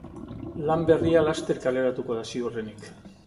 Lan berria laster kaleratuko da ziurrenik.